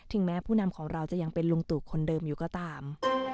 แม้ผู้นำของเราจะยังเป็นลุงตู่คนเดิมอยู่ก็ตาม